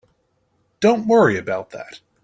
Don't worry about that.